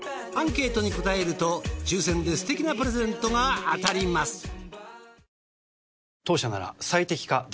アンケートに答えると抽選ですてきなプレゼントが当たります。